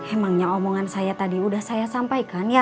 emangnya omongan saya tadi udah saya sampaikan ya